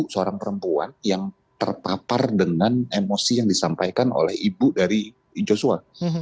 seorang perempuan yang terpapar dengan emosi yang disampaikan oleh ibu dari joshua